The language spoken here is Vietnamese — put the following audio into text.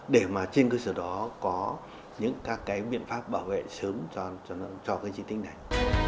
để mà trên cơ sở đó có những các cái biện pháp bảo vệ sớm cho cái di tích này